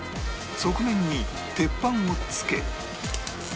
側面に鉄板を付け